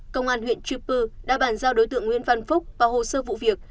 công an huyện chư pư đã bàn giao đối tượng nguyễn văn phúc vào hồ sơ vụ việc